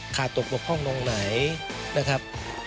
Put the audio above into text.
ขาดตรวจห้องลงไหนนะครับ